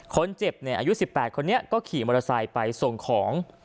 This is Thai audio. คนเจ็บอายุ๑๘คนนี้ก็ขี่มอเตอร์ไซค์ไปส่งของ